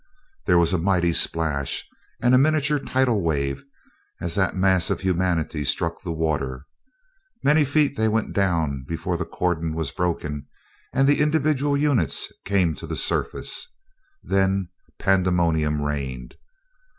There was a mighty splash and a miniature tidal wave as that mass of humanity struck the water. Many feet they went down before the cordon was broken and the individual units came to the surface. Then pandemonium reigned.